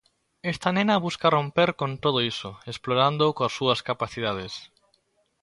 Esta nena busca romper con todo iso, explorándoo coas súas capacidades.